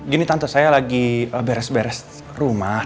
gini tante saya lagi beres beres rumah